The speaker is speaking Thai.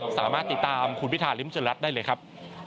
สามารถติดตามคุณพิธาริมเจริญรัฐได้เลยครับ